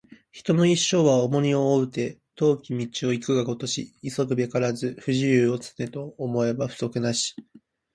人の一生は重荷を負うて、遠き道を行くがごとし急ぐべからず不自由を、常と思えば不足なし